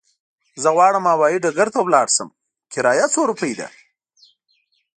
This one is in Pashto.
زه غواړم هوايي ډګر ته ولاړ شم، کرايه څو روپی ده؟